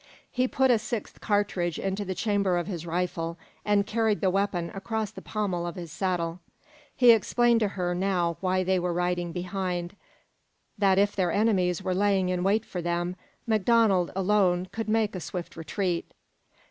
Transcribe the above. He put a sixth cartridge into the chamber of his rifle, and carried the weapon across the pommel of his saddle. He explained to her now why they were riding behind that if their enemies were laying in wait for them, MacDonald, alone, could make a swift retreat.